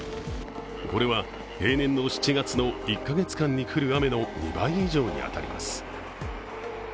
これは平年の７月の１カ月間に降る雨の２倍以上に当たります。